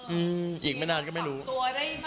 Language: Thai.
อืมอีกไม่นานก็ไม่รู้ว่าทำไงใช่ไหมครับ